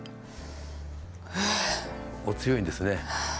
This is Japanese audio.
お強いんですね。